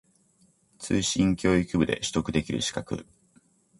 通信教育部で取得できる資格